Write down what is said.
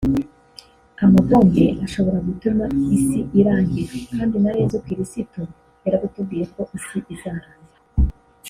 amabombe ashobora gutuma isi irangira kandi na Yezu Kiristo yarabitubwiye ko isi izarangira